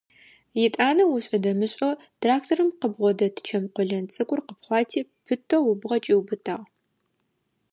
Етӏанэ ошӏэ-дэмышӏэу тракторым къыбгъодэт чэм къолэн цӏыкӏур къыпхъуати, пытэу ыбгъэ кӏиубытагъ.